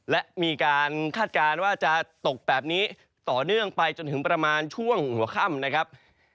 และมีการคาดการณ์ว่าจะตกแบบนี้ต่อเนื่องไปจนถึงประมาณช่วงหัวค่ำนะครับ